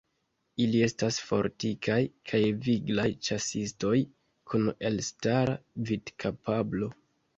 Ili estas fortikaj kaj viglaj ĉasistoj kun elstara vidkapablo.